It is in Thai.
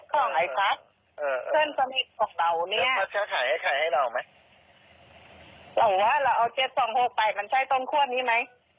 ของไอ้พัสเออเออของเราเนี้ยจะถ่ายให้ให้เราไหมเราว่าเราเอาเจ็ดสองหกไปมันใช้ต้นคั่วนี้ไหม